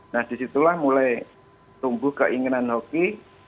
nah disitulah mulai tumbuh keinginan hoki